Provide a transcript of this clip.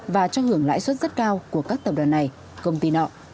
và cho hưởng lãi suất rất cao của các tập đoàn này công ty nọ